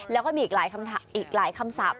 แล้วก็มีอีกหลายคำศัพท์